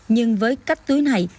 nhưng với cách tưới này